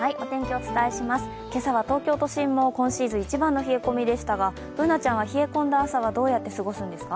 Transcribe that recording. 今朝は東京都心も今シーズン一番の冷え込みでしたがＢｏｏｎａちゃんは冷え込んだ朝はどうやって過ごすんですか？